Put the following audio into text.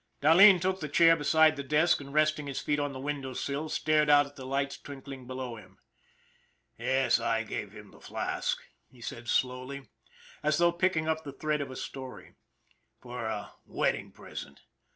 Dahleen took the chair beside the desk, and resting his feet on the window sill stared out at the lights twinkling below him. " Yes, I gave him the flask," he said slowly, as though picking up the thread of a story, " for a wed ding present.